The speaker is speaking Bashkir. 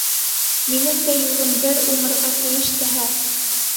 Минең дә юлым бер уңырға тейеш тәһә!